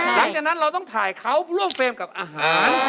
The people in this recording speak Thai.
หลังจากนั้นเราต้องถ่ายเขาร่วมเฟรมกับอาหาร